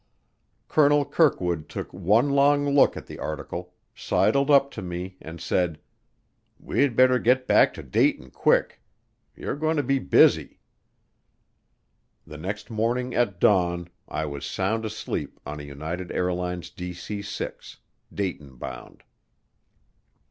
Colonel Kirkwood took one long look at the article, sidled up to me, and said, "We'd better get back to Dayton quick; you're going to be busy." The next morning at dawn I was sound asleep on a United Airlines DC 6, Dayton bound.